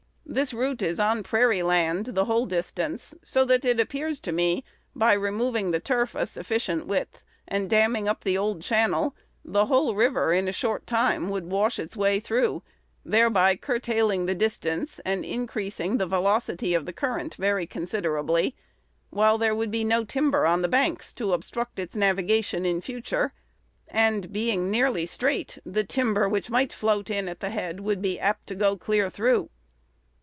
This route is on prairie land the whole distance; so that it appears to me, by removing the turf a sufficient width, and damming up the old channel, the whole river in a short time would wash its way through, thereby curtailing the distance, and increasing the velocity of the current, very considerably: while there would be no timber on the banks to obstruct its navigation in future; and, being nearly straight, the timber which might float in at the head would be apt to go clear through.